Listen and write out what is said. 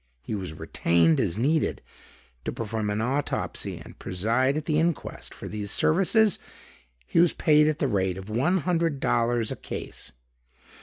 He was retained, as needed, to perform an autopsy and preside at the inquest. For these services, he was paid at the rate of one hundred dollars a case.